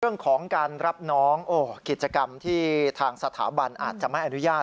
เรื่องของการรับน้องกิจกรรมที่ทางสถาบันอาจจะไม่อนุญาต